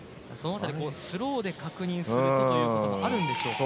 スローで確認するとということもあるんでしょうか。